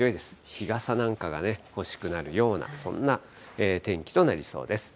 日傘なんかがね、欲しくなるような、そんな天気となりそうです。